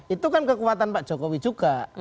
itu kan kekuatan pak jokowi juga